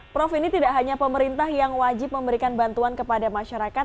prof ini tidak hanya pemerintah yang wajib memberikan bantuan kepada masyarakat